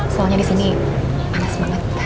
soalnya disini panas banget